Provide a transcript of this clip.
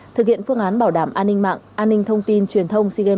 thực hiện phương án bảo đảm an ninh mạng an ninh thông tin truyền thông sigen ba mươi một